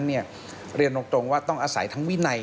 เรียนตรงว่าต้องอาศัยทั้งวินัย